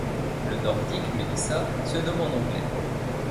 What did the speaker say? Le Nordique mélissa se nomme en anglais.